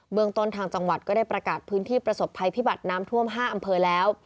เมืองต้นทางจังหวัดก็ได้ประกาศพื้นที่ประสบภัยพิบัติน้ำท่วม๕อำเภอแล้ว